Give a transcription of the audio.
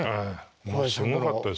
もうすごかったですね。